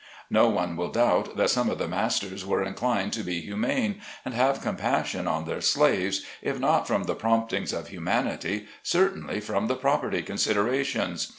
No one will doubt, that some of the masters were inclined to be humane and have compassion on their slaves, if not from the promptings of human ity, certainly from the property considerations.